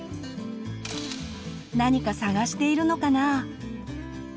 何か探しているのかな？